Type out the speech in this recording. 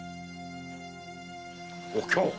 お京